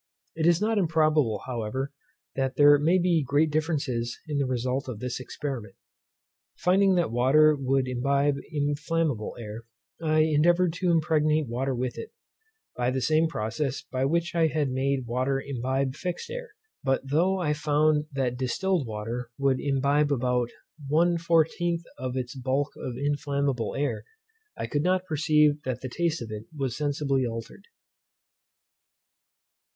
It is not improbable, however, but there may be great differences in the result of this experiment. Finding that water would imbibe inflammable air, I endeavoured to impregnate water with it, by the same process by which I had made water imbibe fixed air; but though I found that distilled water would imbibe about one fourteenth of its bulk of inflammable air, I could not perceive that the taste of it was sensibly altered.